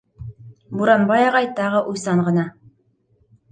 Буранбай ағай тағы уйсан ғына: